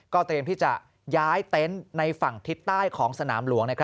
เตรียมที่จะย้ายเต็นต์ในฝั่งทิศใต้ของสนามหลวง